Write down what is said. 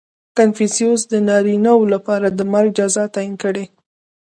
• کنفوسیوس د نارینهوو لپاره د مرګ جزا تعیین کړه.